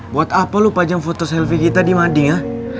buat apa lupa jam foto selfie kita di mading ya